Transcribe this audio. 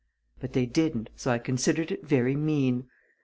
But they didn't, so I considered it very mean.